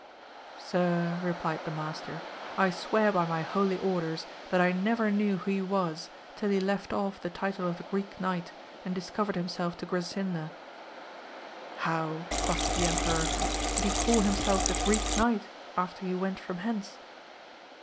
Sir, replied the master, I swear by ihy holy orders, that I never knew who he was till he left off the title of the Greek Knight and dis^ covered himself to Grasinda. How, quoth the em peror, did he call himself the Greek Knight after he went from hence